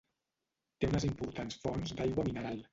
Té unes importants fonts d'aigua mineral.